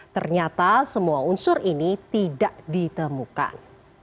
ternyata semua unsur ini tidak ditemukan